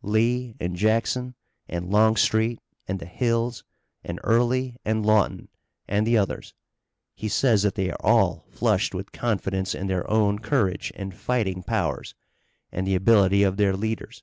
Lee and Jackson and Longstreet and the Hills and Early and Lawton and the others. He says that they are all flushed with confidence in their own courage and fighting powers and the ability of their leaders.